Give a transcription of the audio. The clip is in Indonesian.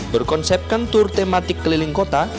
berkonsepkan tour tematik keliling kota